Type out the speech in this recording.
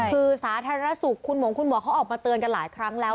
คือสาธารณสุขคุณหงคุณหมอเขาออกมาเตือนกันหลายครั้งแล้ว